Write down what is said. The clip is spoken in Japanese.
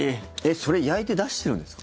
それ焼いて出してるんですか？